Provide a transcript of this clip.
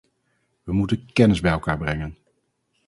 We moeten kennis bij elkaar brengen.